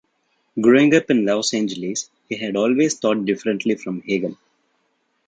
Growing up in Los Angeles, he had always thought differently from Hagen.